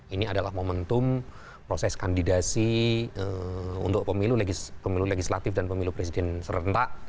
ini adalah momentum proses kandidasi untuk pemilu legislatif dan pemilu presiden serentak